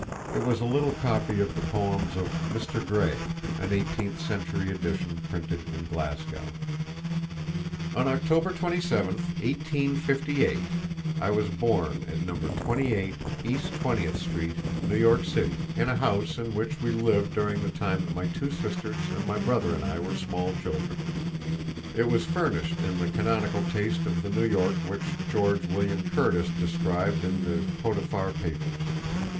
It was a little copy of the poems of "Mr. Gray" an eighteenth century edition printed in Glasgow. On October 27, 1858, I was born at No. 28 East Twentieth Street, New York City, in the house in which we lived during the time that my two sisters and my brother and I were small children. It was furnished in the canonical taste of the New York which George William Curtis described in the Potiphar Papers.